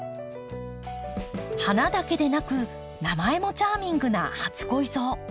花だけでなく名前もチャーミングな初恋草。